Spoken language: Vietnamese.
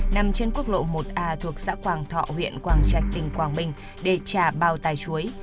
nằm trên quốc lộ một a thuộc xã quảng thọ huyện quảng trạch tỉnh quảng bình để trả bao tài chuối